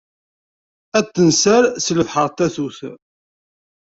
Ad d-tenser seg lebḥer n tatut.